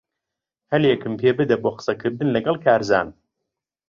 ھەلێکم پێبدە بۆ قسەکردن لەگەڵ کارزان.